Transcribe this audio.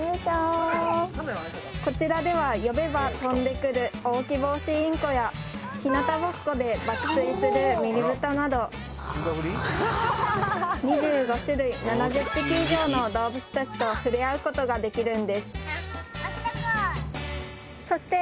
こちらでは呼べば飛んでくるオオキボウシインコやひなたぼっこで爆睡するミニブタなど２５種類７０匹以上の動物たちとふれあうことができるんですそして